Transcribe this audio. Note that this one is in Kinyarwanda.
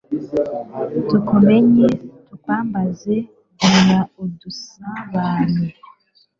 tukumenye, tukwambaze, gumya udusabanye